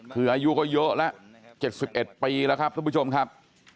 คืออายุก็เยอะแล้ว๗๑ปีแล้วครับทุกผู้ชมครับ